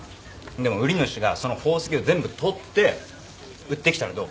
でも売り主がその宝石を全部取って売ってきたらどう？